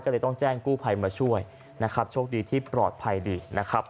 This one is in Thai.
ก็เลยต้องแจ้งกู้ภัยมาช่วยนะครับโชคดีที่ปลอดภัยดีนะครับ